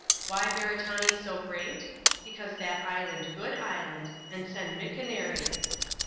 Why Beretanee so great? Because that island good island, and send mickonaree Ijj.